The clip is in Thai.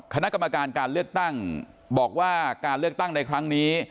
คณะกรรมการการเลือกตั้งบอกว่าการเลือกตั้งในครั้งนี้